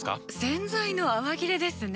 洗剤の泡切れですね。